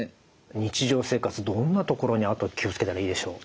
日常生活どんなところにあと気を付けたらいいでしょう？